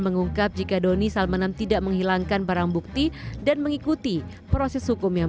mengungkap jika doni salmanan tidak menghilangkan barang bukti dan mengikuti proses hukum yang